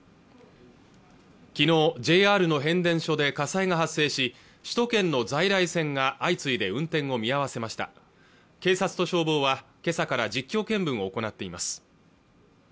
昨日ＪＲの変電所で火災が発生し首都圏の在来線が相次いで運転を見合わせました警察と消防はけさから実況見分を行っています